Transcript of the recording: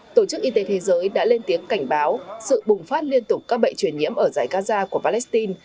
tổ chức y tế thế giới đã lên tiếng cảnh báo sự bùng phát liên tục các bệnh truyền nhiễm ở giải gaza của palestine